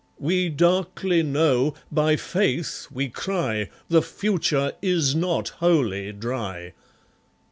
We darkly know, by Faith we cry, The future is not Wholly Dry.